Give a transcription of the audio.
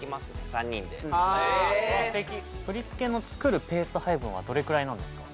３人で振り付けの作るペース配分はどれぐらいなんですか？